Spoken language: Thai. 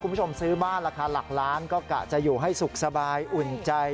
คุณผู้ชมซื้อบ้านราคาหลักล้านก็กะจะอยู่ให้สุขสบายอุ่นใจ